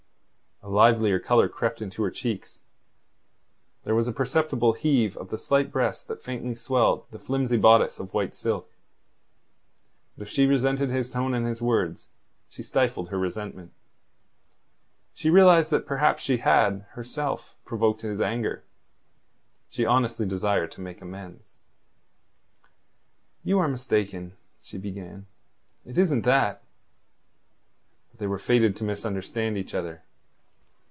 A livelier colour crept into her cheeks. There was a perceptible heave of the slight breast that faintly swelled the flimsy bodice of white silk. But if she resented his tone and his words, she stifled her resentment. She realized that perhaps she had, herself, provoked his anger. She honestly desired to make amends. "You are mistaken," she began. "It isn't that." But they were fated to misunderstand each other.